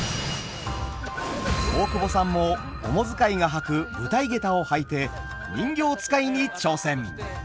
大久保さんも主遣いが履く舞台下駄を履いて人形遣いに挑戦！